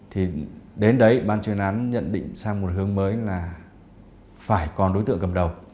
thì đến đấy ban chuyên án nhận định sang một hướng mới là phải còn đối tượng cầm đầu